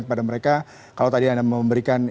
kepada mereka kalau tadi anda memberikan